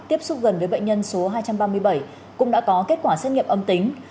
tiếp xúc gần với bệnh nhân số hai trăm ba mươi bảy cũng đã có kết quả xét nghiệm âm tính